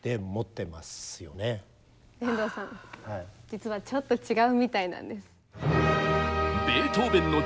実はちょっと違うみたいなんです。